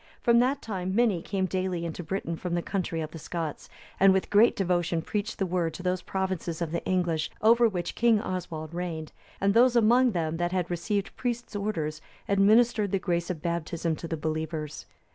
From that time many came daily into Britain from the country of the Scots, and with great devotion preached the Word to those provinces of the English, over which King Oswald reigned, and those among them that had received priest's orders,(298) administered the grace of Baptism to the believers.